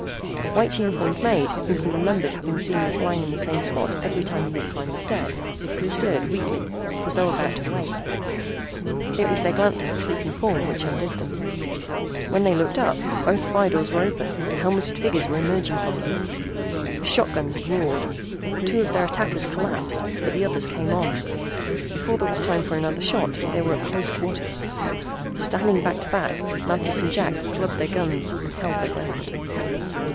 A white uniformed maid, whom he remembered having seen lying in the same spot every time he climbed the stairs, had stirred weakly, as though about to wake. It was their glance at the sleeping form which undid them. When they looked up both fire doors were open and helmeted figures were emerging from them. The shotguns roared. Two of their attackers collapsed, but the others came on. Before there was time for another shot they were at close quarters. Standing back to back, Manthis and Jack clubbed their guns and held their ground.